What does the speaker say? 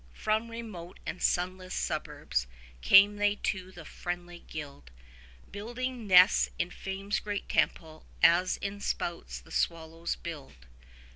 30 From remote and sunless suburbs came they to the friendly guild, Building nests in Fame's great temple, as in spouts the swallows build.